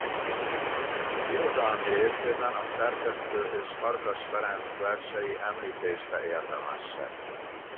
Irodalmi részében a szerkesztő és Farkas Ferenc versei említésre érdemesek.